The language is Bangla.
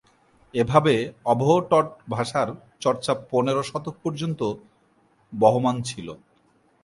এভাবে অবহট্ঠ ভাষার চর্চা পনেরো শতক পর্যন্ত বহমান ছিল।